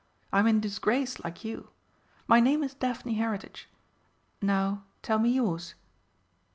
I'm in disgrace, like you. My name is Daphne Heritage. Now, tell me yours